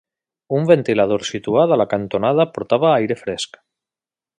Un ventilador situat a la cantonada portava aire fresc.